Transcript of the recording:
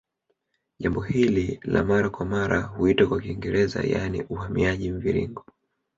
Jambo hili la mara kwa mara huitwa kwa Kiingereza yaani uhamiaji mviringo